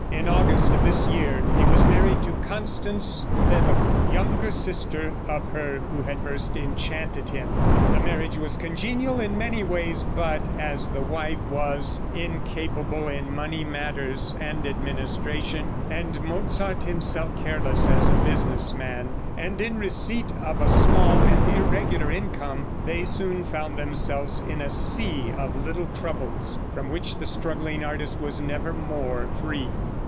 In August of this year he was married to Constance Weber, younger sister of her who had first enchanted him. The marriage was congenial in many ways, but as the wife was incapable in money matters and administration, and Mozart himself careless as a business man, and in receipt of a small and irregular income, they soon found themselves in a sea of little troubles, from which the struggling artist was nevermore free.